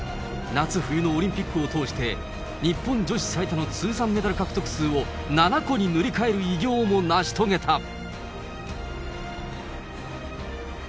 夏冬のオリンピックを通して、日本女子最多の通算メダル獲得数を７個に塗り替える偉業をも成し遂げた。